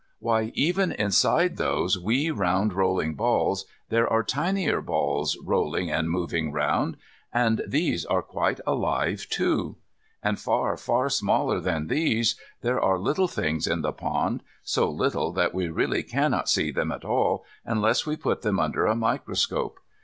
Why, even inside those wee round rolling balls there are tinier balls rolling and moving round, and these are quite alive, too. And, far, far smaller than these, there are little things in the pond, so little that we really cannot see them at all unless we put them under a microscope.